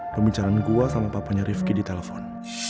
pembicaraan gue sama papanya rifqi di telepon